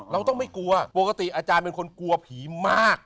เราต้องไม่กลัวปกติอาจารย์เป็นคนกลัวผีมาก